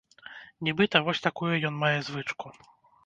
Нібыта, вось такую ён мае звычку!